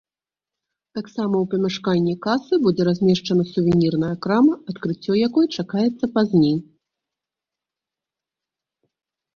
Таксама ў памяшканні касы будзе размешчана сувенірная крама, адкрыццё якой чакаецца пазней.